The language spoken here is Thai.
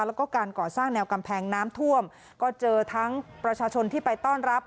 แล้วก็การก่อสร้างแนวกำแพงน้ำท่วมก็เจอทั้งประชาชนที่ไปต้อนรับ